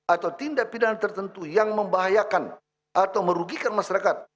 atau tindak pidana tertentu yang membahayakan atau merugikan masyarakat